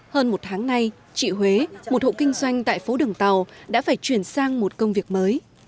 hơn một tháng nay chị huế một hộ kinh doanh tại phố đường tàu đã phải chuyển sang một công việc mới